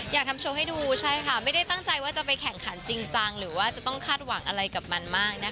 อยากทำโชว์ให้ดูใช่ค่ะไม่ได้ตั้งใจว่าจะไปแข่งขันจริงจังหรือว่าจะต้องคาดหวังอะไรกับมันมากนะคะ